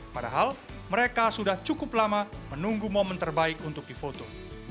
padahal mereka sudah cukup lama menunggu momen terbaik untuk difoto